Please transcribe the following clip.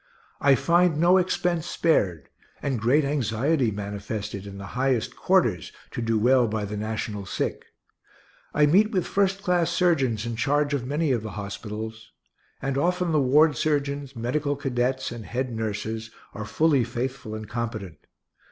I find no expense spared, and great anxiety manifested in the highest quarters, to do well by the national sick. I meet with first class surgeons in charge of many of the hospitals, and often the ward surgeons, medical cadets, and head nurses, are fully faithful and competent.